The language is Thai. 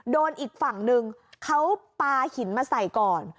โดนอีกฝั่งหนึ่งเขาปลาหินมาใส่ก่อน